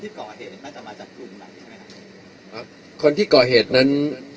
คนที่ก่อเหตุน่าจะมาจัดกลุ่มไหนใช่ไหมครับครับคนที่ก่อเหตุนั้น